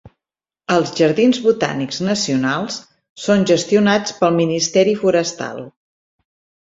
Els Jardins Botànics Nacionals són gestionats pel Ministeri Forestal.